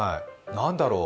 何だろう？